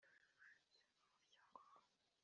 Ishingiye ku Masezerano ashyiraho Umuryango wa